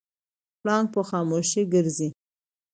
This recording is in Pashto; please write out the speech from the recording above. پړانګ په خاموشۍ ګرځي.